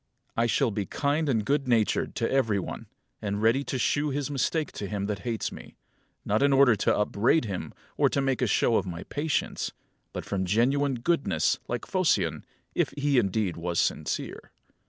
I shall be kind and good natured to every one, and ready to shew his mistake to him that hates me; not in order to upbraid him, or to make a show of my patience, but from genuine goodness, like Phocion, if he indeed was sincere.